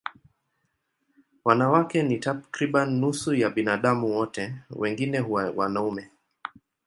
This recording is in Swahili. Wanawake ni takriban nusu ya binadamu wote, wengine huwa wanaume.